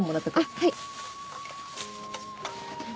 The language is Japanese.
はい。